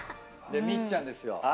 みっちゃんですよ。